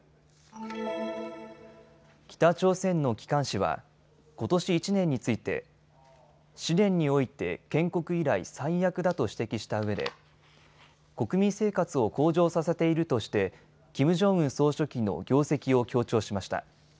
北朝鮮の機関紙は、ことし１年について試練において建国以来、最悪だと指摘したうえで国民生活を向上させているとしてキム・ジョンウン総書記の業績を強調しました。